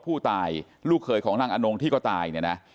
ผู้ตายลูกเคยของนางอนงที่ก็ตาย